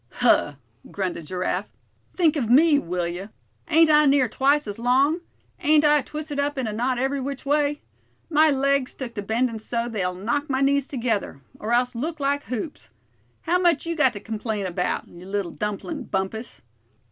"Huh!" grunted Giraffe, "think of me, will you? Ain't I near twice as long? Ain't I twisted up in a knot every which way? My legs took to bendin' so they'll knock my knees together; or else look like hoops. How much you got to complain about, you little dumplin', Bumpus."